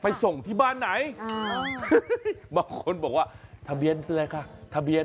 ส่งที่บ้านไหนบางคนบอกว่าทะเบียนอะไรคะทะเบียน